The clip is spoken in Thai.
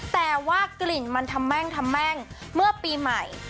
แต่ว่ากลิ่นมันทำแม่งเมื่อปีใหม่